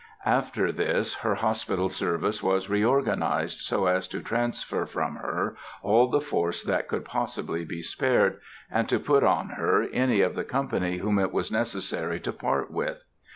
After this her hospital service was reorganized so as to transfer from her all the force that could possibly be spared, and to put on her any of the company whom it was necessary to part with.